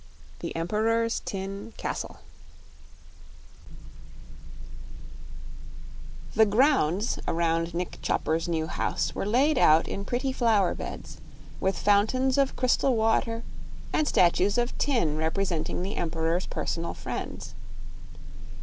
The Emperor's Tin Castle The grounds around Nick Chopper's new house were laid out in pretty flower beds, with fountains of crystal water and statues of tin representing the Emperor's personal friends.